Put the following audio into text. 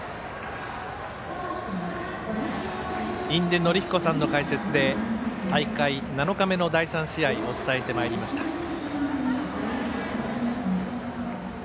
印出順彦さんの解説で大会７日目の第３試合お伝えしてまいりました。